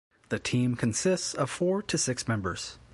The team consists of four to six members.